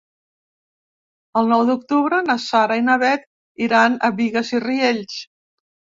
El nou d'octubre na Sara i na Bet iran a Bigues i Riells.